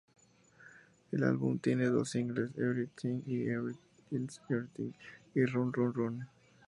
El álbum tiene dos singles, "Everything Is Everything" y "Run Run Run".